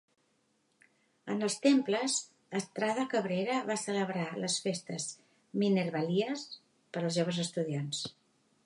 En els temples, Estrada Cabrera va celebrar les "Festes Minervalias" per als joves estudiants.